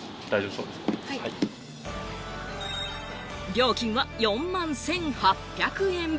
料金は４万１８００円。